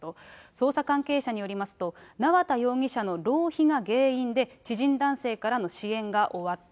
捜査関係者によりますと、縄田容疑者の浪費が原因で、知人男性からの支援が終わった。